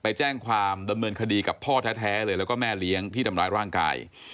ไปแจ้งความดำเนินคดีกับพ่อแท้เลยแล้วก็แม่เลี้ยงที่ทำร้ายร่างกาย